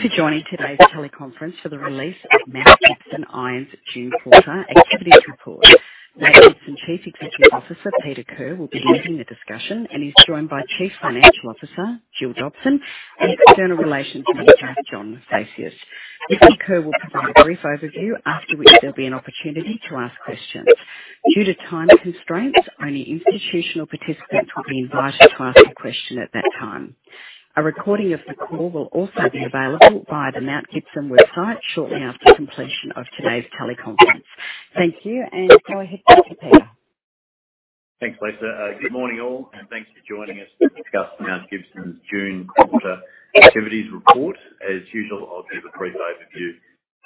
Thank you for joining today's teleconference for the release of Mount Gibson Iron's June quarter activities report. Mount Gibson Chief Executive Officer, Peter Kerr, will be leading the discussion and he's joined by Chief Financial Officer, Jill Dobson, and External Relations Manager, John Phaceas. Mr. Kerr will provide a brief overview, after which there'll be an opportunity to ask questions. Due to time constraints, only institutional participants will be invited to ask a question at that time. A recording of the call will also be available via the Mount Gibson website shortly after completion of today's teleconference. Thank you. Go ahead, Peter. Thanks, Lisa. Good morning, all, and thanks for joining us to discuss Mount Gibson's June quarter activities report. As usual, I'll give a brief overview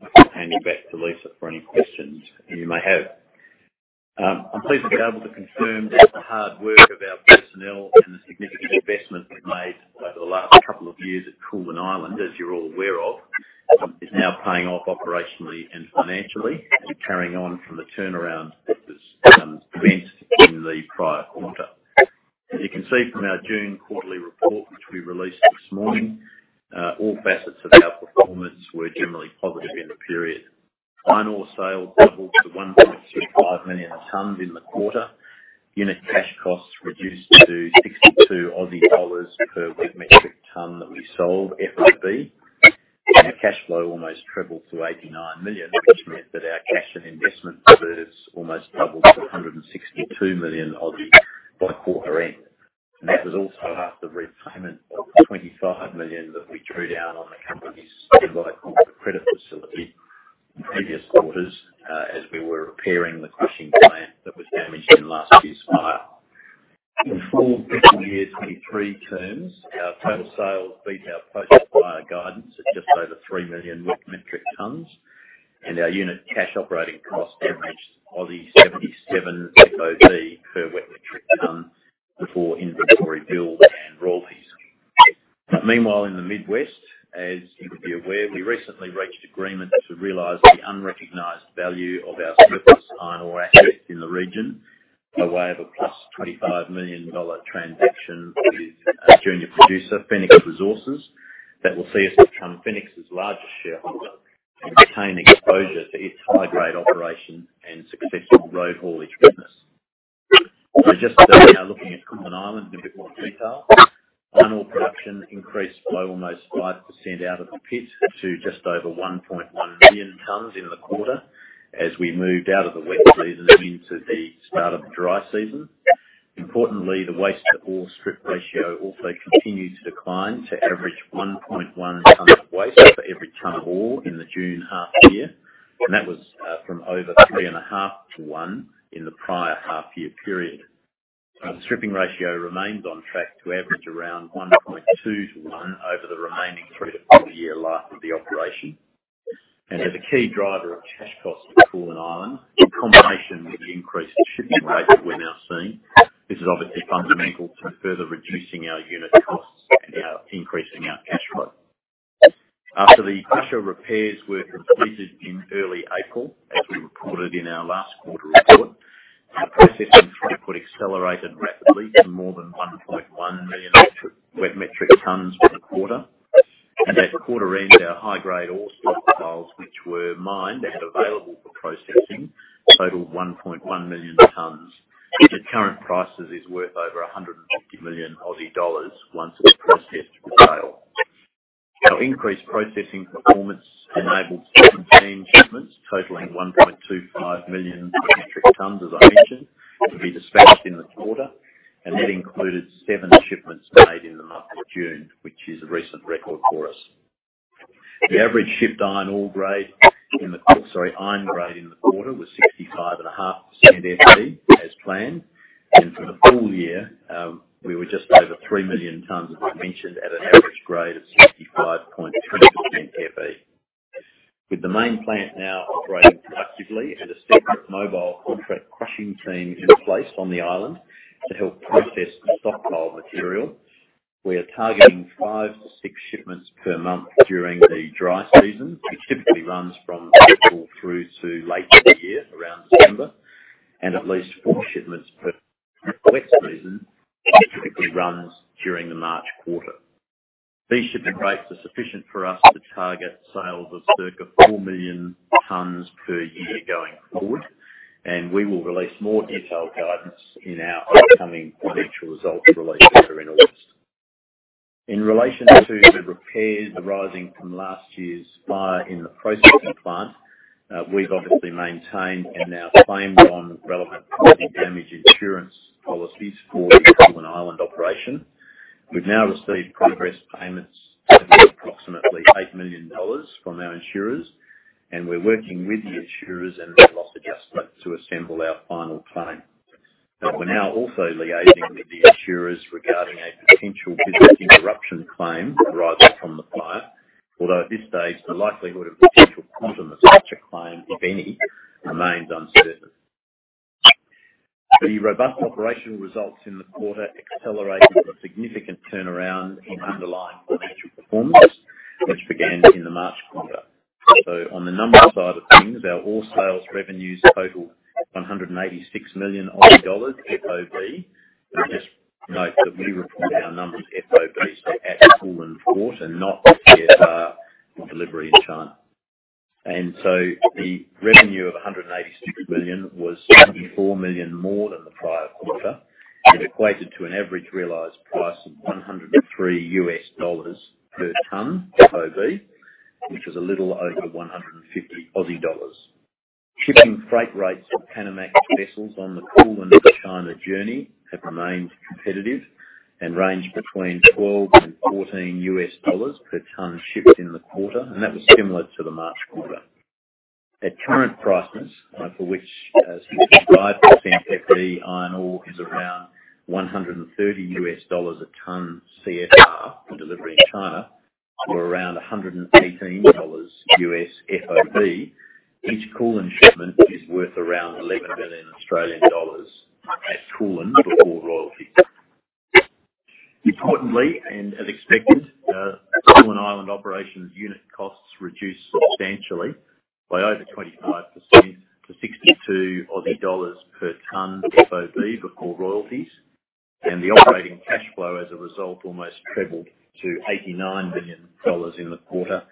before handing back to Lisa for any questions you may have. I'm pleased to be able to confirm that the hard work of our personnel and the significant investment we've made over the last couple of years at Koolan Island, as you're all aware of, is now paying off operationally and financially and carrying on from the turnaround that was event in the prior quarter. As you can see from our June quarterly report, which we released this morning, all facets of our performance were generally positive in the period. Iron ore sales doubled to 1.35 million tons in the quarter. Unit cash costs reduced to 62 Aussie dollars per wet metric ton that we sold FOB. The cash flow almost tripled to 89 million, which meant that our cash and investment reserves almost doubled to 162 million by quarter end. That was also after repayment of 25 million that we drew down on the company's standby credit facility in previous quarters, as we were repairing the crushing plant that was damaged in last year's fire. In full fiscal year 2023 terms, our total sales beat our post-fire guidance at just over 3 million wet metric tons, and our unit cash operating costs averaged 77 FOB per wet metric ton before inventory build and royalties. Meanwhile, in the Mid-West, as you would be aware, we recently reached agreement to realize the unrecognized value of our surplus iron ore assets in the region, by way of a +$25 million transaction with a junior producer, Fenix Resources, that will see us become Fenix's largest shareholder and retain exposure to its high-grade operation and successful road haulage business. Just now, looking at Koolan Island in a bit more detail, iron ore production increased by almost 5% out of the pit to just over 1.1 million tons in the quarter as we moved out of the wet season into the start of the dry season. Importantly, the waste to ore strip ratio also continued to decline to average 1.1 tons of waste for every ton of ore in the June half year, and that was from over 3.5 to 1 in the prior half year period. The strip ratio remains on track to average around 1.2 to 1 over the remaining 3-4 year life of the operation. As a key driver of cash costs for Koolan Island, in combination with the increased shipping rate that we're now seeing, this is obviously fundamental to further reducing our unit costs and increasing our cash flow. After the crusher repairs were completed in early April, as we reported in our last quarter report, our processing throughput accelerated rapidly to more than 1.1 million wet metric tons for the quarter. At quarter end, our high-grade ore stockpiles, which were mined and available for processing, totaled 1.1 million tons. At the current prices, is worth over 150 million Aussie dollars once it's processed for sale. Our increased processing performance enabled 17 shipments totaling 1.25 million metric tons, as I mentioned, to be dispatched in the quarter, and that included 7 shipments made in the month of June, which is a recent record for us. The average shipped iron grade in the quarter was 65.5% FE, as planned, and for the full year, we were just over 3 million tons, as I mentioned, at an average grade of 65.2% FE. With the main plant now operating productively and a separate mobile contract crushing team in place on the island to help process the stockpile material, we are targeting 5 to 6 shipments per month during the dry season, which typically runs from April through to late in the year, around December, and at least 4 shipments per wet season, which typically runs during the March quarter. These shipping rates are sufficient for us to target sales of circa 4 million tons per year going forward, and we will release more detailed guidance in our upcoming financial results release here in August. In relation to the repairs arising from last year's fire in the processing plant, we've obviously maintained and now claimed on relevant property damage insurance policies for the Koolan Island operation. We've now received progress payments of approximately $8 million from our insurers, we're working with the insurers and the loss adjusters to assemble our final claim. We're now also liaising with the insurers regarding a potential business interruption claim arising from the fire, although at this stage, the likelihood of potential quantum of such a claim, if any, remains uncertain. The robust operational results in the quarter accelerated a significant turnaround in underlying financial performance, which began in the March quarter. On the numbers side of things, our ore sales revenues total AUD 186 million FOB. I just note that we report our numbers FOB, so at Koolan port and not CFR for delivery in China. The revenue of 186 million was 24 million more than the prior quarter. It equated to an average realized price of $103 per ton FOB, which was a little over 150 Aussie dollars. Shipping freight rates for Panamax vessels on the Koolan to China journey have remained competitive and ranged between $12 and $14 per ton shipped in the quarter. That was similar to the March quarter. At current prices, for which, as 65% FE iron ore is around $130 a ton CFR for delivery in China, or around $118 FOB, each Koolan shipment is worth around 11 million Australian dollars at Koolan before royalties. Importantly, and as expected, Koolan Island operations unit costs reduced substantially by over 25% to 62 Aussie dollars per ton FOB before royalties, and the operating cash flow as a result, almost trebled to $89 million in the quarter,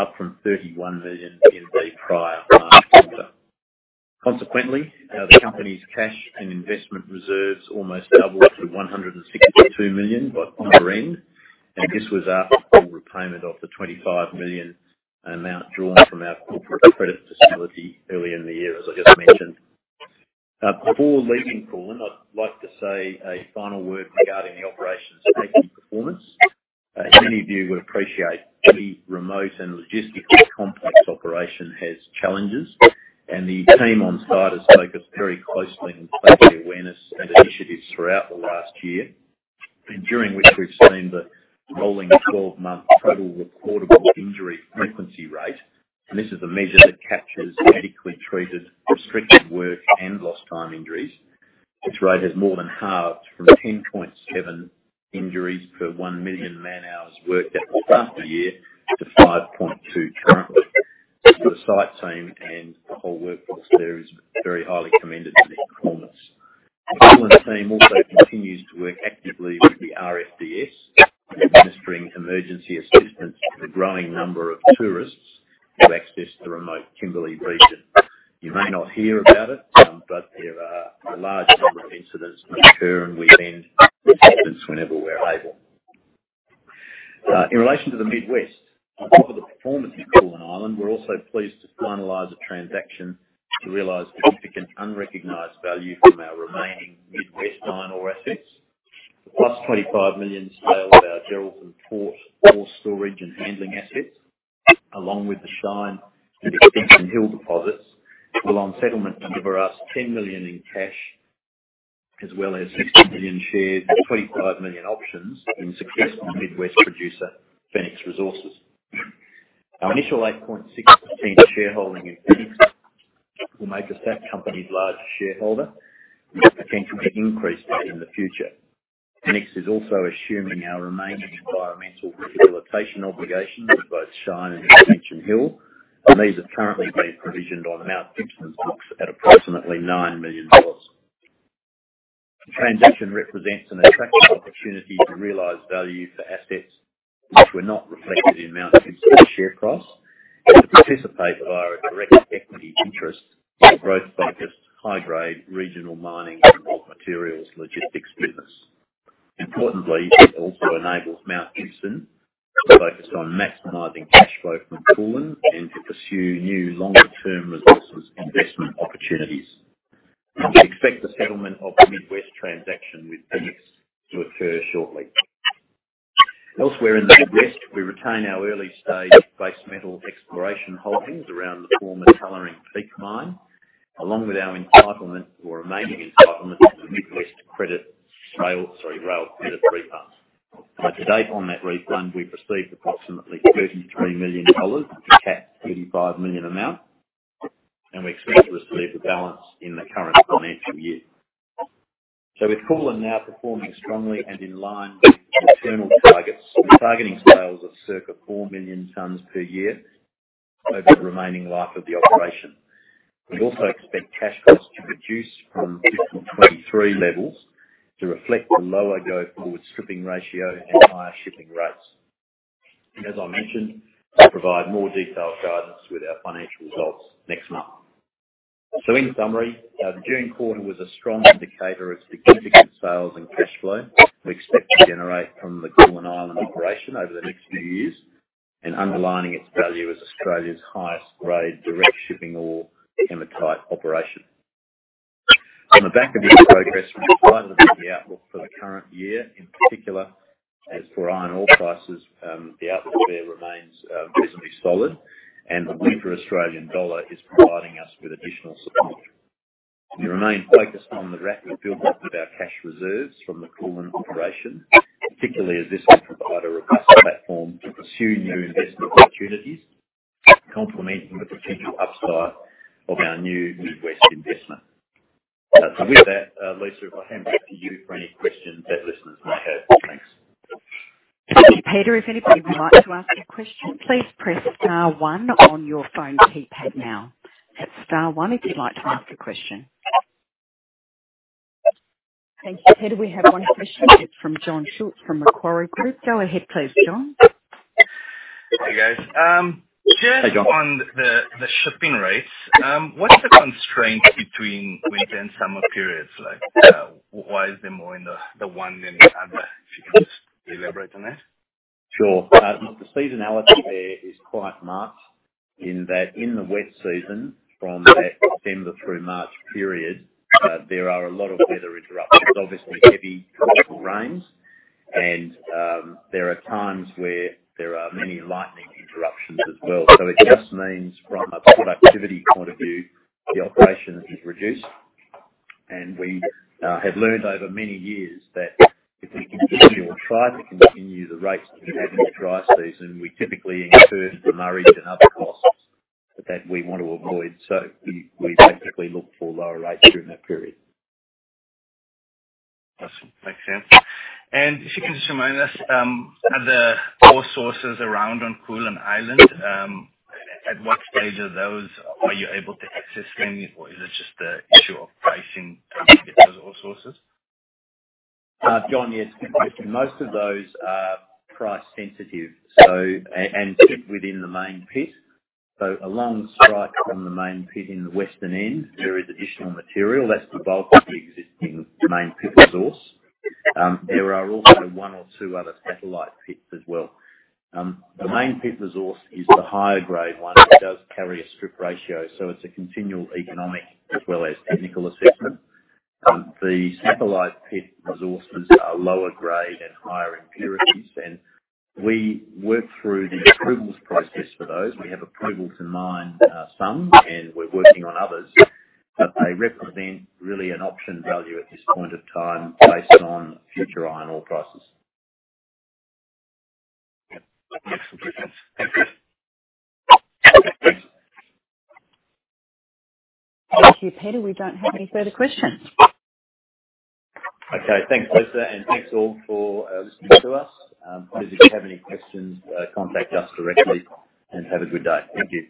up from $31 million in the prior March quarter. Consequently, the company's cash and investment reserves almost doubled to $162 million by quarter end, and this was after the repayment of the $25 million amount drawn from our corporate credit facility earlier in the year, as I just mentioned. Before leaving Koolan, I'd like to say a final word regarding the operation's safety performance. As many of you would appreciate, any remote and logistically complex operation has challenges, and the team on site has focused very closely on safety awareness and initiatives throughout the last year, and during which we've seen the rolling 12-month total recordable injury frequency rate. This is a measure that captures medically treated, restricted work, and lost time injuries. This rate has more than halved from 10.7 injuries per 1 million man-hours worked at the start of the year to 5.2 currently. The site team and the whole workforce there is very highly commended for their performance. The Koolan team also continues to work actively with the RFDS, administering emergency assistance to the growing number of tourists who access the remote Kimberley region. You may not hear about it, but there are a large number of incidents that occur, and we lend assistance whenever we're able. In relation to the Mid-West, on top of the performance in Koolan Island, we're also pleased to finalize a transaction to realize significant unrecognized value from our remaining Mid-West iron ore assets. The 25 million sale of our Geraldton port ore storage and handling assets, along with the Shine and Extension Hill deposits, will, on settlement, deliver us 10 million in cash, as well as 60 million shares and 25 million options in successful Mid-West producer, Fenix Resources. Our initial 8.6% shareholding in Fenix will make the company's largest shareholder and we have the potential to increase that in the future. Fenix is also assuming our remaining environmental rehabilitation obligations for both Shine and Extension Hill. These are currently being provisioned on Mount Gibson's books at approximately 9 million dollars. The transaction represents an attractive opportunity to realize value for assets which were not reflected in Mount Gibson's share price, to participate via a direct equity interest in a growth-focused, high-grade, regional mining and bulk materials logistics business. Importantly, it also enables Mount Gibson to focus on maximizing cash flow from Koolan and to pursue new longer-term resources investment opportunities. We expect the settlement of the Mid-West transaction with Fenix to occur shortly. Elsewhere in the Mid-West, we retain our early-stage base metal exploration holdings around the former Tallering Peak mine, along with our entitlement or remaining entitlement to the rail credit refunds. To date, on that refund, we've received approximately AUD 33 million, to cap AUD 35 million amount. We expect to receive the balance in the current financial year. With Koolan now performing strongly and in line with internal targets, we're targeting sales of circa 4 million tons per year over the remaining life of the operation. We also expect cash costs to reduce from 2023 levels to reflect the lower go-forward stripping ratio and higher shipping rates. As I mentioned, I'll provide more detailed guidance with our financial results next month. In summary, the June quarter was a strong indicator of significant sales and cash flow we expect to generate from the Koolan Island operation over the next few years, underlining its value as Australia's highest-grade, direct shipping ore hematite operation. On the back of the progress, we're positive about the outlook for the current year, in particular, as for iron ore prices, the outlook there remains reasonably solid, and the weaker Australian dollar is providing us with additional support. We remain focused on the rapid buildup of our cash reserves from the Koolan operation, particularly as this will provide a robust platform to pursue new investment opportunities, complementing the potential upside of our new Mid-West investment. With that, Lisa, I'll hand back to you for any questions that listeners may have. Thanks. Thank you, Peter. If anybody would like to ask a question, please press star one on your phone keypad now. That's star one if you'd like to ask a question. Thank you, Peter. We have 1 question. It's from Jon Scholtz from Macquarie Group. Go ahead, please, John. Hey, guys. Hey, John. Just on the shipping rates, what is the constraint between winter and summer periods? Like, why is there more in the one than the other? If you can just elaborate on that. Sure. The seasonality there is quite marked in that in the wet season, from that December through March period, there are a lot of weather interruptions, obviously heavy tropical rains, and there are times where there are many lightning interruptions as well. It just means from a productivity point of view, the operation is reduced. We have learned over many years that if we continue or try to continue the rates that we have in the dry season, we typically incur demurrage and other costs that we want to avoid. We, we basically look for lower rates during that period. That makes sense. If you can just remind us, are the ore sources around on Koolan Island, at what stage are those? Are you able to access them, or is it just the issue of pricing with those ore sources? John, yes, most of those are price sensitive. Within the main pit. Along strike from the main pit in the western end, there is additional material that's the bulk of the existing main pit resource. There are also one or two other satellite pits as well. The main pit resource is the higher grade one. It does carry a strip ratio, so it's a continual economic as well as technical assessment. The satellite pit resources are lower grade and higher impurities, and we work through the approvals process for those. We have approvals in mind, some, and we're working on others, but they represent really an option value at this point of time based on future iron ore prices. Yep. Makes sense. Thank you. Thank you, Peter. We don't have any further questions. Okay. Thanks, Lisa, and thanks, all, for listening to us. Please, if you have any questions, contact us directly, and have a good day. Thank you.